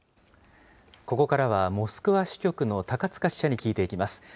ここからはモスクワ支局の高塚記者に聞いていきます。